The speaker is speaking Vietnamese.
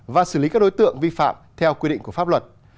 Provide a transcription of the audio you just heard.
và xử lý các đối tượng vi phạm theo quy định của pháp luật